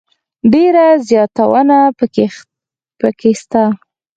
ډېر زياتونه پکښي سته.